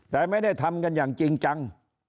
แต่ไม่ได้ทำกันอย่างจริงจัง